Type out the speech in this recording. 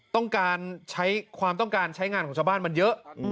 ต้องการใช้ความต้องการใช้งานของชาวบ้านมันเยอะ